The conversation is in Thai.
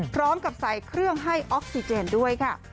พร้อมกับใส่เครื่องให้ออกซิเจนด้วยค่ะ